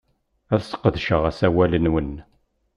Ad sqedceɣ asawal-nwen.